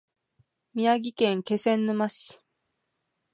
宮城県気仙沼市